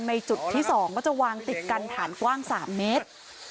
ในจุดที่๒ก็จะวางติดกันฐานกว้าง๓เมตร